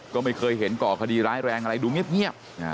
ก็ไม่เคยเห็นก่อคดีร้ายแรงอะไรดูเงียบ